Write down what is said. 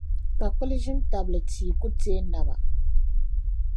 Kpakpili ʒini n-tabili tia ku teei naba.